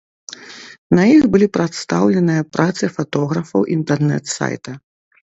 На іх былі прадстаўленыя працы фатографаў інтэрнэт-сайта.